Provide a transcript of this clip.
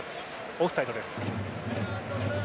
オフサイドです。